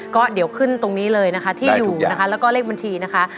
ก็เดี๋ยวขึ้นตรงนี้เลยนะคะที่อยู่นะคะแล้วก็เลขบัญชีนะคะ